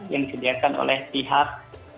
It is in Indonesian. yang disediakan oleh pihak